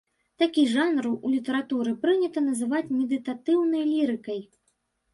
Такі жанр ў літаратуры прынята называць медытатыўнай лірыкай.